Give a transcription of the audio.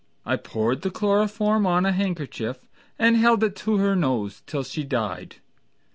I poured the chloroform on a handkerchief And held it to her nose till she died.